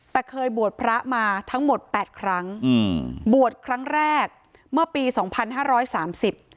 แต่เคยบวชพระมาทั้งหมดแปดครั้งอืมบวชครั้งแรกเมื่อปีสองพันห้าร้อยสามสิบ